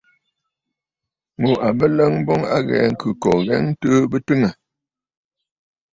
Ŋù à bə ləŋ boŋ a ghɛɛ ŋ̀khɨ̂kòò ghɛɛ ntɨɨ bɨ twiŋə̀.